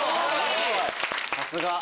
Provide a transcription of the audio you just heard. さすが！